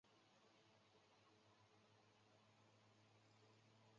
殿试登进士第三甲第一百九十名。